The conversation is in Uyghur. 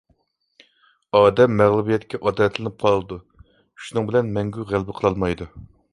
ئادەم مەغلۇبىيەتكە ئادەتلىنىپ قالىدۇ، شۇنىڭ بىلەن مەڭگۈ غەلىبە قىلالمايدۇ.